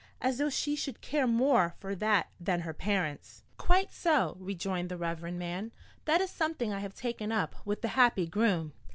As though she should care more for that than her parents!" "Quite so," rejoined the reverend man. "That is something I have taken up with the happy groom.